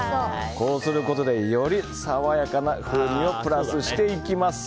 こうすることでより爽やかな風味をプラスしていきます。